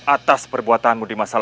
atas perbuatanmu di masa lalu